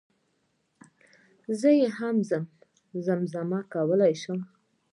زه يي هم زم زمه کولی شم